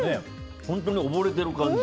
本当に溺れてる感じ。